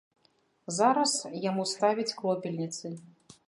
Зараз яму ставяць кропельніцы.